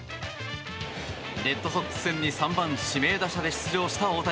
レッドソックス戦に３番指名打者で出場した大谷。